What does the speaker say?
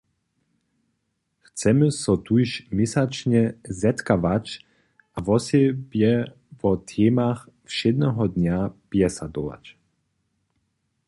Chcemy so tuž měsačnje zetkawać a wosebje wo temach wšědneho dnja bjesadować.